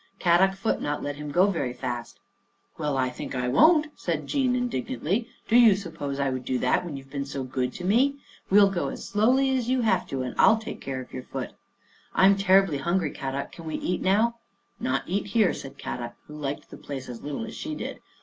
Kadok foot not let him go very fast." " Well, I think I won't," said Jean indig nantly. " Do you suppose I'd do that when you have been so good to me? We'll go as slowly 120 Our Little Australian Cousin as you have to and I'll take care of your foot. I'm terribly hungry, Kadok, can we eat now? "" Not eat here," said Kadok, who liked the place as little as she did.